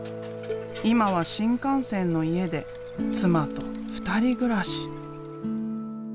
今は新幹線の家で妻と２人暮らし。